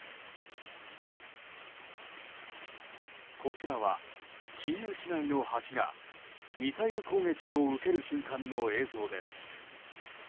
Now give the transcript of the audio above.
こちらはキーウ市内の橋がミサイル攻撃を受ける瞬間の映像です。